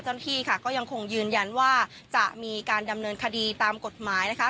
เจ้าหน้าที่ค่ะก็ยังคงยืนยันว่าจะมีการดำเนินคดีตามกฎหมายนะคะ